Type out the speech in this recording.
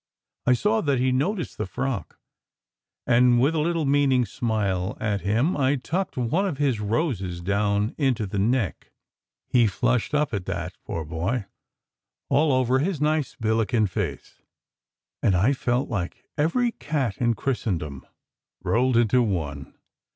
I saw that he noticed the frock, and with a little meaning smile at him, I tucked one of his roses down into the neck. He flushed up at that, poor boy, all over his nice Billiken face, and I felt like every cat in Christendom rolled into one.